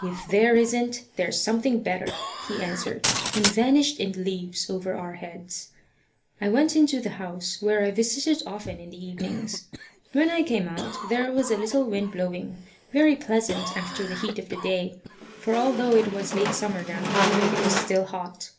"If there isn't, there's something better," he answered, and vanished in the leaves over our heads. I went into the house, where I visited often in the evenings. When I came out, there was a little wind blowing, very pleasant after the heat of the day, for although it was late summer now, it was still hot.